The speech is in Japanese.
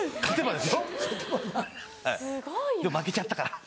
でも負けちゃったから。